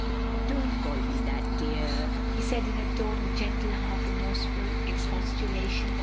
"Don't call me that, dear," he said in a tone of gentle, half remorseful expostulation.